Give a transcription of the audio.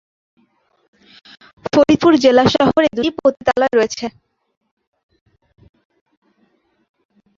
ফরিদপুর জেলা সদরে দুটি পতিতালয় রয়েছে।